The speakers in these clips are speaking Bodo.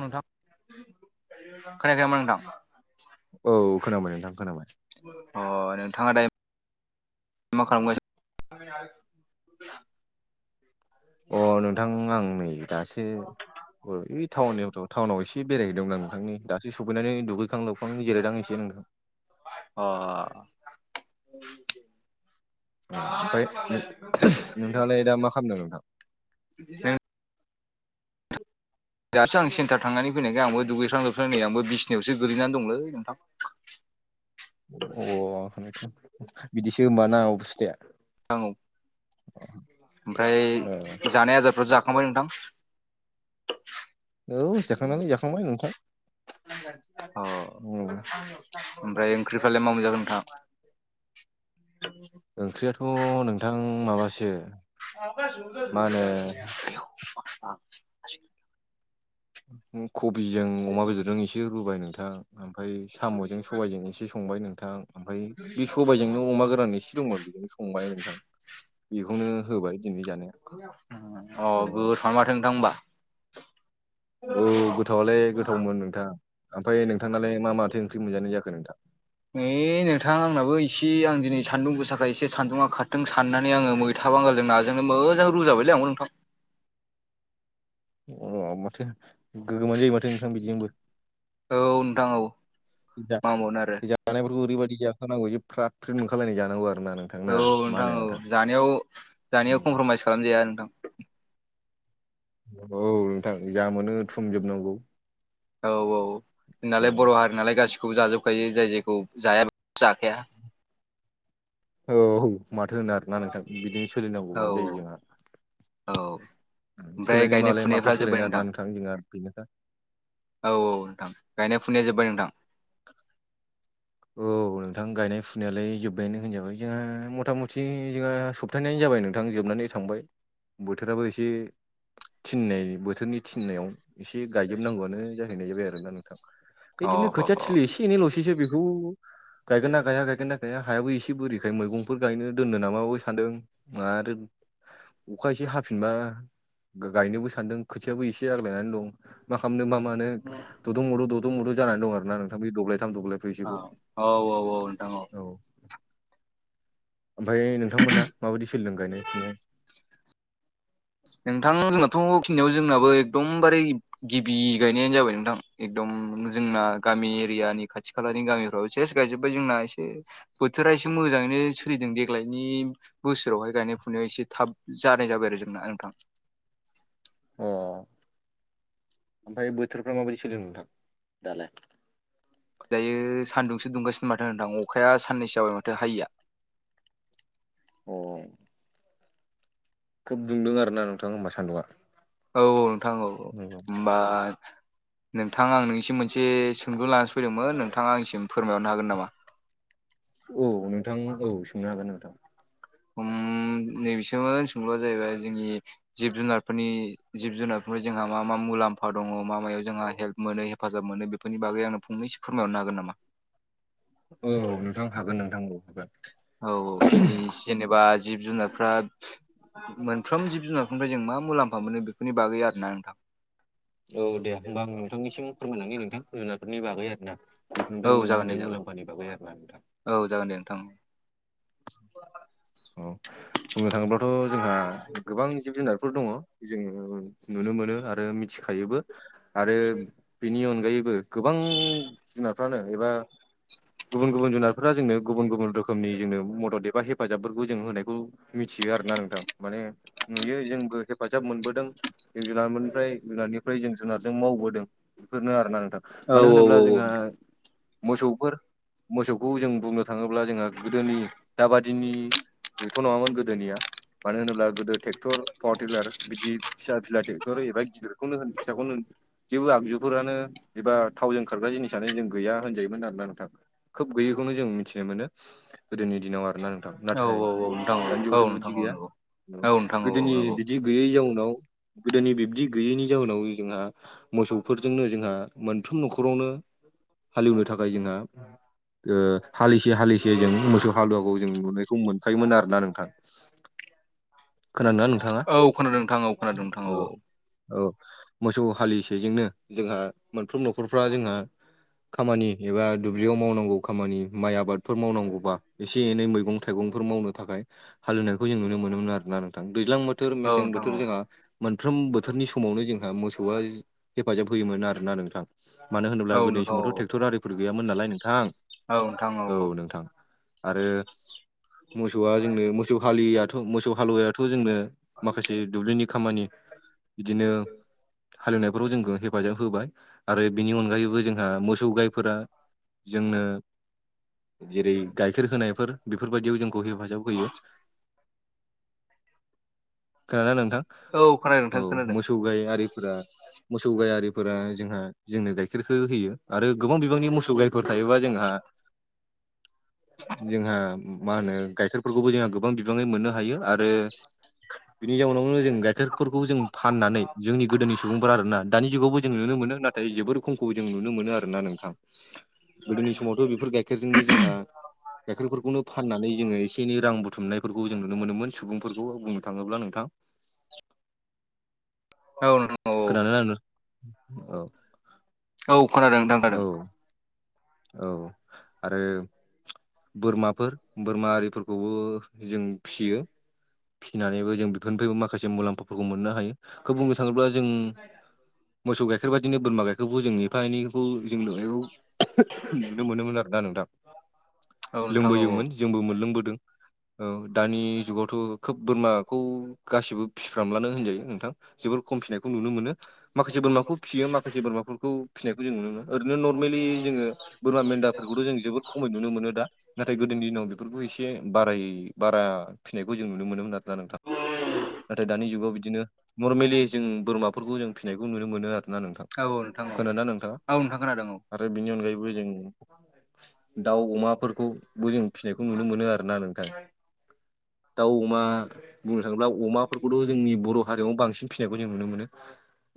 नोंथां खोनायाखै नामा नोथां। औ खोनाबाय नोंथां खोनाबाय अ नोंथाङा दायो मा खालाम गासिनो? अ नोंथां आं नै दासो ओ टाउननियावथ' टाउनाव इसे बेरायहैदोंमोन आं नोंथां नै दासो सफैनानै दुगै खां लोबखां जिरायदों एसे नोंथां। अ अ ओमफ्राय नोंथाङालाय दा मा खालामदों नोंथां [unintelligible] दासो आं सेन्टार थांनानै फैनायखाय आंबो दुगैस्रां लोबस्रां नै आंबो बिसिनायावसो गोलैनानै दंलै नोंथां। [inaudible] अ बिदिसो होमबा ना अबुस्थाया। आं औ अ ओमफ्राय जानाय आदारफोरा जाखांबाय नोंथां। औ जाखांनानै जाखांबाय नोंथां अ औ ओमफ्राय ओंख्रिफ्रालाय मा मोनजाखो नोंथां। ओंख्रियाथ' नोंथां माबासो मा होनो [inaudible] कबिजों अमा बेदरजों एसे रुबाय नोंथां आमफाय साम'जों सबायजों एसे संबाय नोंथां। ओमफाय बे सबाइजोंनो अमा गोरान एसे दंमोन बेखौबो संबाय नोंथां। बेखौनो होबाय दिनै जानाया। अ गोथावआनो माथो नोंथां ओमबा। औ गोथावलाय गोथावमोन नोंथां ओमफाय नोंथांआलाय मा माथो ओंख्रि मोनजानाय जाखो नोंथां। नै नोंथां आंनाबो एसे आं दिनै सान्दुं गोसाखाय एसे सान्दुंङा खारदों साननानै आङो मो था बांगाल जों नाजोंनो मोजां रुजाबायलै आंबो नोंथां। अ माथो गोगोमानो जायो माथो नोंथां बिदिजोंबो। औ नोंथां औ मा ओनबावनो आरो। जानायफोरखौ ओरैबायदि जाखा नांगौ जे फ्राद फ्रिद मोनखालाय जानांगौ आरो ना नों औ नोंथां औ जानायाव जानायाव कमप्रमाइस खालामजाया नोंथां। औ नोंथां जा मोनो थुमजोबनांगौ। औ औ औ होननाालाय बर हारि नालाय गासिखौबो जाजोबखायो जाय जायखौ जाया बेखौ जाखाया। औ माथो होनो आरोना नोंथां बिदिनो औ सोलिनांगौबानो जायो जोंहा। औ ओमफ्राय सोलायनाय गायनाय मालाय माखौ फुनायफ्रा जोब्बाय सोलायनो आरो ना नोंथां जोंना बेनोखा। औ औ नोंथां गायनाय फुनाया जोब्बाय नोंथां। औ नोंथां गायनाय फुनायालाय जोब्बायानो होनजाबाय जोंहा मथा मथि जोंहा सब हाबथायानो जाबाय नोंथां जोबनानै थांबाय बोथोराबो एसे थिननाय बोथोरनि थिननायाव एसे गायजोबनांगौआनो जाहैनाय जाबाय आरोना नोंथां। अ इदिनो खोथिया थिलि एसे एनै लसैसो बेखौ बेखौ गायगोन ना गाया गायगोन ना गाया हायाबो एसे बोरैखाय मैगंफोर गायनो खौ दोननो नामाबो सान्दों आरो अखा एसे हाफिनबा। गायनोबो सान्दों खोथियाबो एसे आग्लायनानै दं। मा खालामनो मा मानो ददं मुदु ददं मदु जानानै दं आरो ना नोंथां बे दब्लायथाम दब्लाय औ औ औ औ नोंथां औ। ओमफाय नोंथांमोना माबायदि सोलों गायनाय फुनाय नोंथां जोंनाथ बेखिनियाव जोंनाबो एकदमबारे गिबि गायनायानो जाबाय नोंथां। एकदम जोंना गामि एरियानि खाथि खालानि गामिफ्राव जेस गायजोब्बाय जोंना एसे बोथोरा एसे मोजाङैनो सोलिदों देग्लायनि। बोसोरावहाय गायनाय फुनायाव एसे थाब जानाय जाबाय आरो जोंना नोंथां। अ ओमफाय बोथोरफ्रा माबायदि सोलिदों नोंथां दालाय। दायो सानदुंसो दुंगासिनो माथो नोंथां अखाया साननैसो जाबाय माथो हायिया। अ खोब दुंदों आरो ना नोंथां होमबा सान्दुआ। औ औ नोंथां औ होनबा नोंथां आं नोंसिम मोनसे सो सोंलु लानसो फैदोंमोनोंथाङा आंसिम फोरमायरनो हागोन नामा? औ नोंथां औ सोंनो हागोन नोंथां। उम नैबेसोमोन सोंलुआ जाहैबाय जोंनि। जिब जुनारफोरनि जिब जुनारफोरनि जोंहा मा मा मुलाम्फा दङ मा मायाव जोंहा हेल्प मोनो। हेफाजाब मोनो बेफोरनि बागै आंनो फंनैसो फोरमायहरनो हागोन नामा। औ नोंथां हागोन नोंथां हागोन। औ औ जोंनि जेनेबा जिब जुनारफ्रा मोनफ्रोम जिब जुनार फ्राय जों मा मुलामफा मोनो बेफोरनि बागै आरो ना नोंथां। औ दे होमबा आं नोंथांनिसिम फोरमायलाङै नोंथां जुनारफोरनि बागै आरोना। बेफोरनिफ्राय औ मोननो जागोन दे हानाय जागोन मुलाम्फानि बागै आरोना नोंथां। औ जागोन दे नोंथां। औ बुंनो थाङोब्लाथ जोंहा गोबां जिब जुनारफोर दङ। जोङो नुनो मोनो आरो मिथिखायोबो आरो बिनि अनगायैबो। गोबां जुनारफ्रानो एबा गुबुन गुबुन जुनार फोर जोंनो गुबुन गुबुन रोखोमनि जोंनो मदद एबा हेफाजाबफोरखौ जों होनायखौ। मिथियो आरोना नोंथां माने नुयो जोंबो हेफ हेफाजाब मोनबोदों जउ जुनारनिफ्राय जुनारनिफ्राय जों जुनारजों मावबोदों। बेफोरनो आरोना नोंथां औ मानो औ होनोब्ला औ औ जोंहा। मोसौफोर मोसौखौ जों बुंनो थाङोब्ला जोंहा गोदोनि दाबादिनि। गोगोमथ नङामोन गोदोनिया मानो होनोब्ला गोदो ट्रेक्टर पावार टिलार बिदि बिहार पिला ट्रेक्टरहोयोबा एबा गिदिरखौनो होन फिसाखौनो होन। जेबो आगजुफोरानो एबा थावजों खारग्रा जिनिसानो जों गैया होनजायोमोन आरो ना नोंथां। खोब गैयिखौनो जों मिथिनो मोनो गोदोनि दिनाव आरोना। औ नाथाय औ नोंथां दानि औ जुगावथ नोंथां बेबायदि औ गैया नंगौ औ नोंथां औ औ गोदोनि नंगौ बिब्दि गैयै जाउनाव गोदोनि बिब्दि गैयैनि जाउनाव जोंहा मोसौफोरजोंनो जोंहा। मोनफ्रोम न'खरावनो हालेवनो थाखाय जोंहा ओ हालिसे हालिसे जों मोसौ हालुवाखौ जों नुनायखौ मोनखायोमोन आरो ना नोंथां। खोनोना नोंथाङा? औ खोनादों नोंथां औ खोनादों नोंथां औ औ मोसौ हालिसेजोंनो जोंहा मोनफ्रोम न'खरफ्रा जोंहा खामानि एबा दुब्लियाव मावनांगौ खामानि माइ आबादफोर मावनांगौबा एसे एनै मैगं थाइगंफोर मावनो थाखाय हालौनायखौ जों नुनो मोनोमोन आरो ना नोंथां। दैज्लां बोथोर औ मेसें नोंथां औ बोथोर जोंहा मोनफ्रोम बोथोरनि समावनो जोंहा मोसौआ जि हेफाजाब होयोमोन आरोना नोंथां। मानो होनोब्ला औ गोदोनि नोंथां औ समावथ' ट्रेक्टर आरिफोर गैयामोन नालाय नोंथां। औ नोंथां। आरो मोसौआ जोंनो मोस सौ हालियाथ' मोसौ हालुवायाथ' जोंनो माखासे दुब्लिनि खामानि बिदिनो हालेवनायफोराव जोंखो हेफाजाब होबाय। आरो बिनि अनगायैबो जोंहा मोसौ गायफोरा जोंनो जेरै गाइखेर होनायफोर बेफोरबायदियाव जोंखौ हेफाजाब होयो। खोनादो ना नोंथां। औ खोनादों नोंथां खोनादों। सौ गाय आरिफोरा मोसौ गायारिफोरा जोंहा जोंनो गाइखेरखो होयो। आरो गोबां बिबांनि मोसौ गाय फोर थायोबा जोंहा जोंहा मा होनो गाइखेरफोरखौबो जोंहा गोबां बिबाङै मोननो हायो। आरो बिनि जाउनावनो जों गाइखेरफोरखौ जों फाननानै जोंनि गोदोनि सुबुंफोरा आरोना दानि जुगावबो जों नुनो मोनो। नाथ थाय जोबोर खमखौ जों नुनो मोनो आरो ना नोंथां। गोदोनि समावथ' बेफोर गाय खेरजोंनो जोंहा गाइखेरफोरखौनो फाननानै जोङो एसे एनै रां बुथुमनायफोरखौ जों नुनो मोनोमोन सुबुंफोरखौ बुंनो थाङोब्ला नोंथां। औ नोंथां औ खोनादोना नो औ औ खोनादों नोंथां औ खानादों। औ आरो बोरमाफोर बोरमा आरिफोरखौबो जों फियो। फिनानैबो जों बिफोरनिफ्रायबो माखासे मुलाम्फाफोरखौ मोननो हायो। खोब बुंनो थाङोब्ला जों मोसौ गाइखेर बादिनो बोरमा गाइखेरखौबो जों एफा एनैखौ जों लुखौ नुनो मोनोमोन आरोना नोंथां। औ नोंथां औ लोंबोयोमोन जोंबो मोनलोंबोदों। औ दानि जुगावथ' खोब बोरमाखौ गासिबो फिफ्रामलानो होनजायो नोंथां। जोबोर खम फिनायखौ नुनो मोनो। माखासे बोरमाखौ फियो माखासे बोरमाफोरखौ फिनायखौ जों नुनो मोना। ओरैनो नरमेलि जोङो बोरमा मेन्दाफोरखौथ' जों जोबोद खमै नुनो मोनो। दा नाथाय गोदोनि दिनाव बेफोरखौ एसे बाराय बारा फिनायखौ जों नुनो मोनोमोन आर रा नोंथां नाथाय दानि जुगाव बिदिनो नरमेलि जों बोरमा फोरखौ जों फिसिनायखौ नुनो मोनो आरो ना नोंथां। औ नोंथां औ खोनादों ना नोंथाङा? औ नोंथां खोनादों नाथाय बेनि अनगायैबो जों दाउ, औ अमा फोरखौबो जों फिनायखौ नुनो मोनो आरो ना नोंथां। औ बा बुंनो थाङोब्ला अमाफोरखौथ' जोंनि बर' हारियाव बांसिन फिनायखौ जों नुनो मोनो।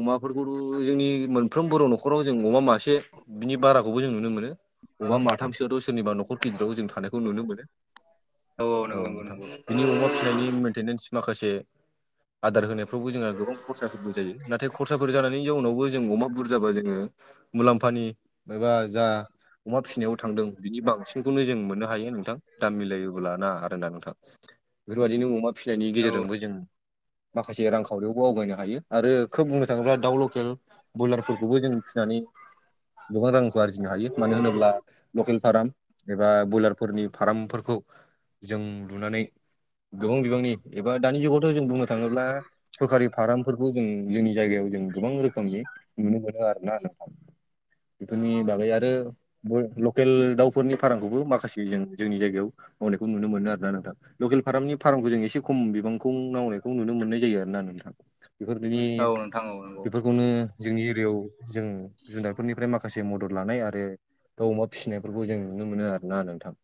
अमाफोरखौथ' जोंनि मोनफ्रोम बर' न'खराव जों अमा मासे बिनि बाराखौबो जों नुनो मोनो। अबबा माथामसोथ' सोरनिबा न'ख खर गिदिराव जों थानायखौ नुनो मोनो। औ नंगौ नंगौ नोंथां। नंगौ बिनि अमा फिनायनि नि मेनटेनेन्स माखासे आदार होनायफ्रावबो जोंहा गोबां खरसाफोरबो जायो। नाथाय खरसाफोर जानायनि जाउनावबो जों अमा बुरजाबा जोङो मुलाम्फानि मायबा जा अमा फिनायाव थांदों। बिनि बांस फोरखौनो जों मोननो हायो नोंथां दाम मिलायोबोला आरो ना नोंथां। बेफोरबायदिनो अमा फिनायनि औ गेजेरजोंबो जों माखासे रांखावरियावबो आवगायनो हायो। आरो खोब बुंनो थाङोब्ला दाउ लकेल बयलारफोरखौबो जों फिसिनानै गोबां रांखौ आरजिनो हायो मानो होनोब्ला लकेल फाराम एबा बयलारफोरनि फाराम फोरखौ जों लुनानै गोबां बिबांनि एबा दानि जुगावथ जों बुंनो थाङोब्ला सरखारि फारामफोरखौ जों जोंनि जायगायाव जों गोबां रोखोमनि नुनो मोनो आरो ना नोंथां। बेफोरनि बागै आरो बय-लकेल दाउफोर बेफोरनि फारामखौबो माखासे जों जोंनि जायगायाव मावनायखौ नुनो मोनो आरोना नों- थां लकेल फारामनि फारामखौ जों एसे खम बिबांखौ मावनायखौ नुनो मोननाय जायो आरो ना नोंथां। बेफोरबिदि औ नोंथां औ नंगौ बेफोर- बेखौनो जोंनि एरियायाव जोङो जुनारफोरनिफ्राय माखासे मदद लानाय आरो दाउ अमा फिसिनायफोरखौ जों नुनो मोनो आरो ना नोंथां।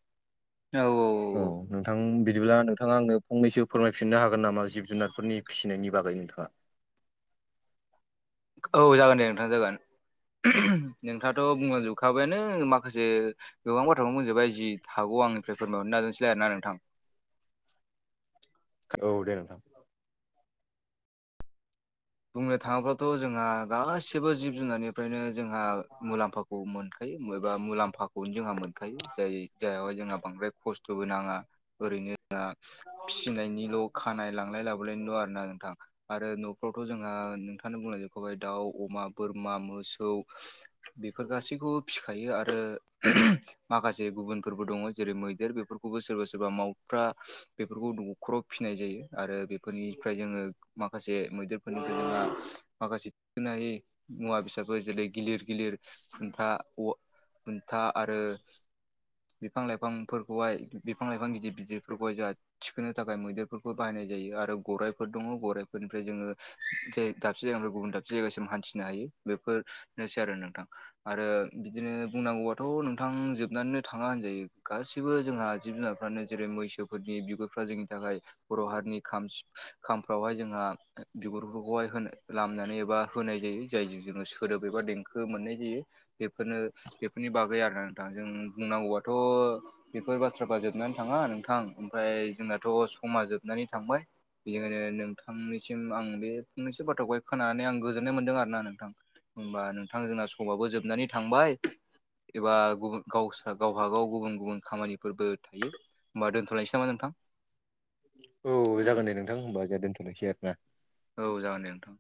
औ औ औ नोंथां बिदिब्ला नोंथाङा आंनो फंनैसो फोरमायफिननो हागोन नामा जिब जुनारफोरनि फिसिनायनि बागै नोंथाङा। औ जागोन दे नोंथां जागोन। [unintelligible] नोंथाङाथ' बुंलांजोबखाबायानो माखासे गोबां बाथ्राखौनो बुंजोबबाय जि हागौ आंनिफ्राय फोरमायहरनो नाजानोसैलाय आरो ना नोंथां। औ दे नोंथां बुंनो थाङोबाथ जोंहा गासिबो जिब जुनारनि- फ्रायनो जोंहा मुलाम्फाखौ मोनखायो एबा मुलाम्फाखौनो जोंहा मोन- खायो जाय जायहायाव जोंहा बांद्राय खस्थ'बो नांङा ओरैनो दा फिसिनायनिल' खानाय लांलाय लाबोलायनिल' आरो ना नोंथां आरो बेखौथ' जोंहा नोंथाङानो बुंलांजोबखौाय दाउ, अमा, बोरमा, मोसौ। बेफोर गासैखौबो फिखायो आरो माखासे गुबुनफोरबो दङ जेरै मैदेर बेफोरखौबो सोरबा सोरबा मावफ्रा बेफोरखौ न'खराव फिनाय जायो आरो बेफोरनिफ्राय जोङो माखासे मैदेर [unintelligible] माखासे फिनाय मुवा बेसादफोर जेरै गिलिर गिलिर खुन्था अ खुन्था आरो बिफां-लाइफां फोरखौहाय बिफां-लाइफां गिदिर गिदिर फोरखौहाय जोंहा थिखोनो थाखाय मैदेरफोरखौ बाहायनाय जायो आरो गराइफोर दङ गराइफोरनिफ्राय जोङो जे दाबसे जायगानिफ्राय गुबुन दाबसे जायगासिम हान्थिनो हायो बेफोरनोसै आरो नोंथां। आरो बिदिनो बुंनांगौबाथ' नोंथां जोबनानैनो थांङा होनजायो। गासैबो जोंहा जिब-जुनारफ्रानो जेरै मैसोफोरनि बिगुरफ्रा जोंनि थाखाय बर' हारिनि खाम सि खामफ्रावहाय जोंहा बिगुरफोरखौहाय हो लामनानै एबा होनाय जायो। जायजों जोङो सोदोब एबा देंखो मोननाय जायो। बेफोरनो बेफोरनि बागै आरो नोंथां जों बुंनांगौबाथ' बेफोर बाथ्राफ्रा जोबनानै थाङा नोंथां ओमफ्राय जोंनाथ' समा जोबनानै थांबाय। बेयो नोंथांनिसिम आं बे फंनैसो बाथ्राखौहाय खोनानानै आं गोजोननाय मोनदों आरो ना नोंथां। होमबा नोंथां जोंना समावबो जोबनानै थांबाय। एबा गुबुन गावसा गावबा-गाव गुबुन गुबुन खामानिफोरबो थायो। होमबा दोनथलायनोसै नामा नोंथां? औ जागोन दे नोंथां होमबा जोंहा दोन्थनोसै आरो ना। औ जागोन दे नोंथां।